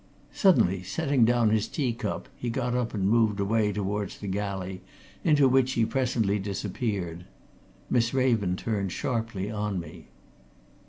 Suddenly, setting down his tea cup, he got up and moved away towards the galley, into which he presently disappeared. Miss Raven turned sharply on me.